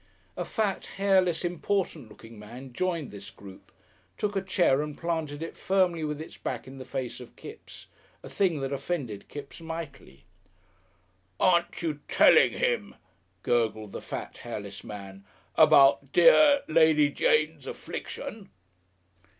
A fat, hairless, important looking man joined this group, took a chair and planted it firmly with its back in the face of Kipps, a thing that offended Kipps mightily. "Are you telling him," gurgled the fat, hairless man, "about dear Lady Jane's affliction?"